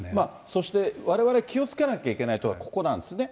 そして、われわれ気をつけなきゃいけないのはここなんですね。